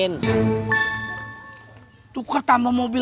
nanti kita mau tugas